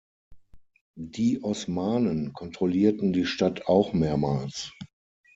Die Osmanen kontrollierten die Stadt auch mehrmals.